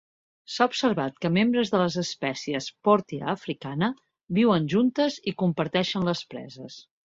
S'ha observat que membres de les espècies "Portia africana" viuen juntes i comparteixen les preses.